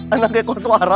anak eko suara